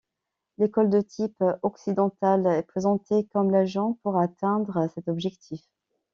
L'école de type occidental est présentée comme l'agent pour atteindre cet objectif.